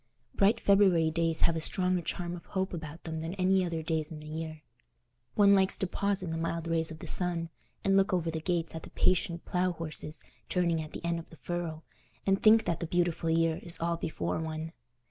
Bright February days have a stronger charm of hope about them than any other days in the year. One likes to pause in the mild rays of the sun, and look over the gates at the patient plough horses turning at the end of the furrow, and think that the beautiful year is all before one.